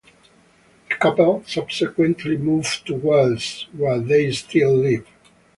The couple subsequently moved to Wales, where they still live.